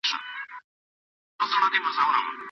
په همدغه اساس دې ته د مخ او ورغوو لوڅولو اجازه سوې ده.